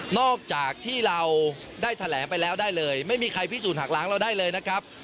จากที่เราได้แถลงไปแล้วได้เลยไม่มีใครพิสูจนหักล้างเราได้เลยนะครับ